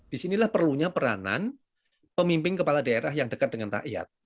disinilah perlunya peranan pemimpin kepala daerah yang dekat dengan rakyat